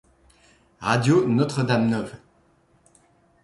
Radio Notre Dame Nov.